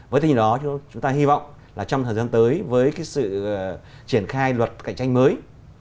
với tình hình đó chúng ta hy vọng là trong thời gian tới với sự triển khai luật cạnh tranh mới